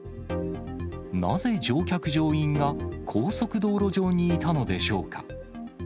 なぜ乗客・乗員が高速道路上にいたのでしょうか。